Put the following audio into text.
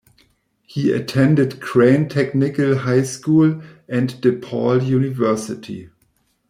He attended Crane Technical High School and DePaul University.